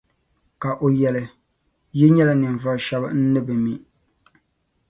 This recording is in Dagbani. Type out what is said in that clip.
Ka o yεli, Yi nyɛla ninvuɣu shεba n ni bi mi.”